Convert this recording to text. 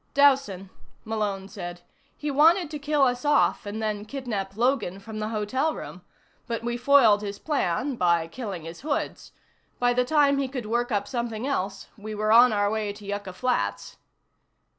"Dowson," Malone said. "He wanted to kill us off, and then kidnap Logan from the hotel room. But we foiled his plan by killing his hoods. By the time he could work up something else, we were on our way to Yucca Flats."